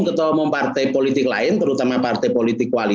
ketua umum partai politik lain terutama partai politik